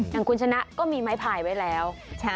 อย่างคุณชนะก็มีไม้พายไว้แล้ว